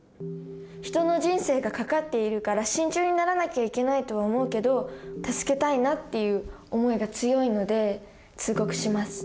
人の人生がかかっているから慎重にならなきゃいけないとは思うけど助けたいなっていう思いが強いので通告します。